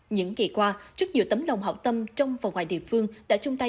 những kỳ qua rất nhiều tấm lòng hậu tâm trong và ngoài địa phương đã chung tay